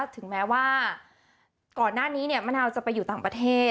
ถึงแม้ว่าก่อนหน้านี้มะนาวจะไปอยู่ต่างประเทศ